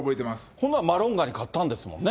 ほんならマロンガに勝ったんですもんね。